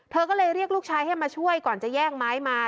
เธอก็เลยเรียกลูกชายให้มาช่วยก่อนจะแย่งไม้มา